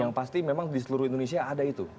yang pasti memang di seluruh indonesia ada itu